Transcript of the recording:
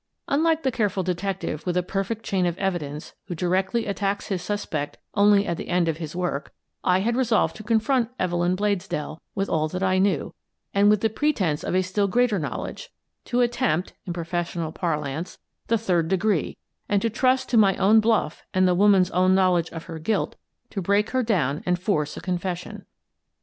Unlike the careful detective with a perfect chain of evi dence who directly attacks his suspect only at the end of his work, I had resolved to confront Evelyn Bladesdell with all that I knew and with the pre tence of a still greater knowledge — to attempt, in professional parlance, the " third degree " and to trust to my own bluff and the woman's own knowl edge of her guilt to break her down and force a confession.